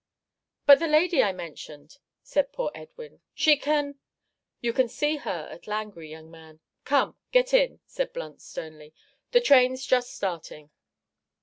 "But the lady I mentioned," said poor Edwin, "she can " "You can see her at Langrye, young man; come, get in," said Blunt, sternly, "the train's just starting."